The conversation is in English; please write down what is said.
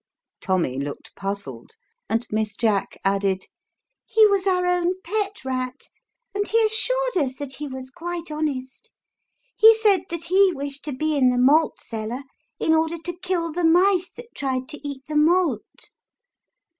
Tommy looked puzzled and Miss Jack added, "He was our own pet rat, and he assured us that he was quite honest ; he said that he wished to be in the malt cellar in order to kill the mice that tried to eat the malt.